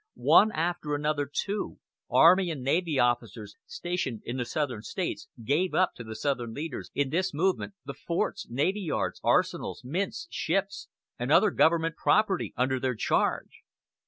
One after another, too, army and navy officers stationed in the Southern States gave up to the Southern leaders in this movement the forts, navy yards, arsenals, mints, ships, and other government property under their charge.